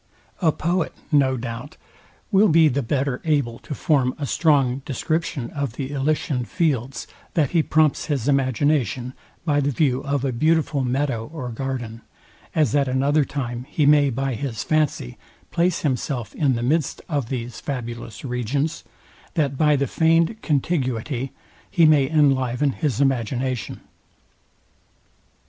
A poet, no doubt, will be the better able to form a strong description of the Elysian fields, that he prompts his imagination by the view of a beautiful meadow or garden; as at another time he may by his fancy place himself in the midst of these fabulous regions, that by the feigned contiguity he may enliven his imagination.